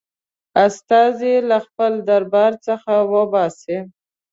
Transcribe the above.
استازی له خپل دربار څخه وباسي.